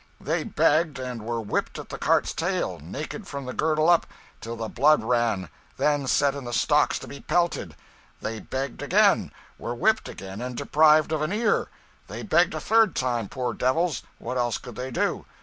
They begged, and were whipped at the cart's tail, naked from the girdle up, till the blood ran; then set in the stocks to be pelted; they begged again, were whipped again, and deprived of an ear; they begged a third time poor devils, what else could they do?